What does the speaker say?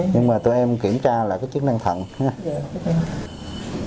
nhưng mà tụi em kiểm tra là có chức năng thận ha